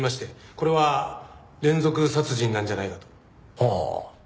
これは連続殺人なんじゃないかと。